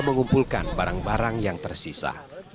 mengumpulkan barang barang yang tersisa